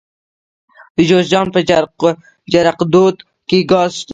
د جوزجان په جرقدوق کې ګاز شته.